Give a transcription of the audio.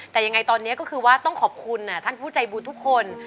แต่ยังไงตอนนี้ก็คือว่าต้องขอบคุณท่านผู้ใจบุญทุกคน